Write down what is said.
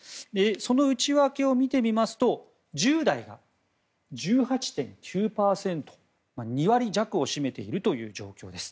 その内訳を見てみますと１０代が１８．９％２割弱を占めているという状況です。